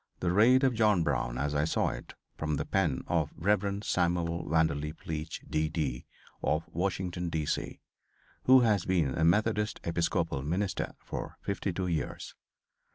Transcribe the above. "The Raid Of John Brown As I Saw It" from the pen || of "Rev. Samuel Vanderlip Leech, D. D., of Washington, D. C.," || who has been a Methodist Episcopal Minister for 52 years.